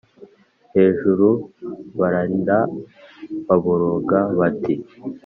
hejuru bararira baboroga bati